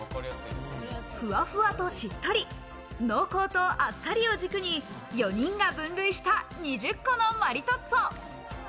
ふわふわとしっとり、濃厚とあっさり軸に４人が分類した２０個のマリトッツォ。